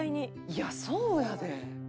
いやそうやで。